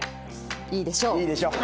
いいでしょう。